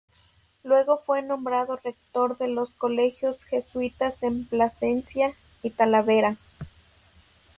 Luego fue nombrado rector de los colegios jesuítas en Plasencia y Talavera.